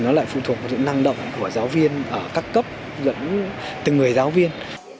nó lại phụ thuộc vào những năng động của giáo viên ở các cấp gần từng người giáo viên